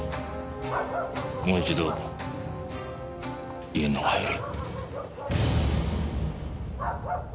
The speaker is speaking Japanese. もう一度家ん中入れ。